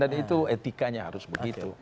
dan itu etikanya harus begitu